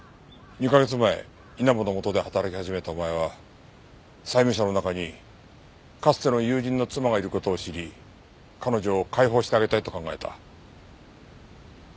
２カ月前稲葉の下で働き始めたお前は債務者の中にかつての友人の妻がいる事を知り彼女を解放してあげたいと考えた。